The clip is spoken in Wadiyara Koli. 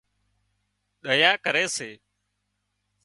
ۮيا ڪري سي